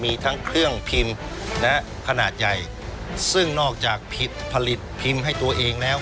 มีทั้งเครื่องพิมพ์นะฮะขนาดใหญ่ซึ่งนอกจากผิดผลิตพิมพ์ให้ตัวเองแล้ว